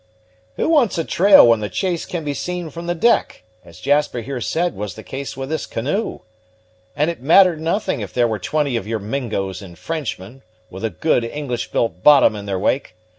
"Who wants a trail when the chase can be seen from the deck, as Jasper here said was the case with this canoe? and it mattered nothing if there were twenty of your Mingos and Frenchmen, with a good British built bottom in their wake.